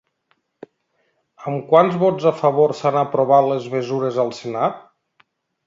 Amb quants vots a favor s'han aprovat les mesures al senat?